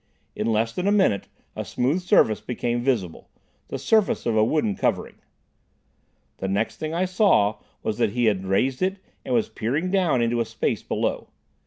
In less than a minute a smooth surface became visible—the surface of a wooden covering. The next thing I saw was that he had raised it and was peering down into a space below.